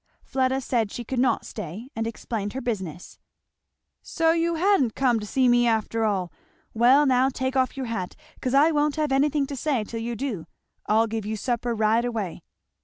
Fleda said she could not stay, and explained her business. "So you ha'n't come to see me after all. Well now take off your hat, 'cause I won't have anything to say to you till you do. I'll give you supper right away."